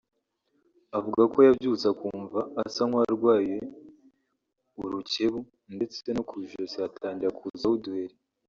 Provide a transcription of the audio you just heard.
Avuga ko yabyutse akumva asa nk’ uwarwaye urukebu ndetse no ku ijosi hatangira kuzaho uduheri